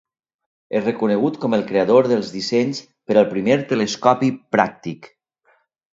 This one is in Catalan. És reconegut com el creador dels dissenys per al primer telescopi pràctic.